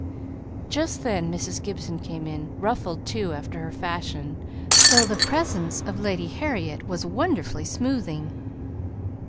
Just then Mrs. Gibson came in, ruffled too after her fashion, though the presence of Lady Harriet was wonderfully smoothing.